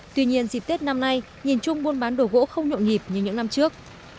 tuy nhiên dịp tết năm nay nhìn chung buôn bán đồ gỗ không nhộn nhịp như những năm trước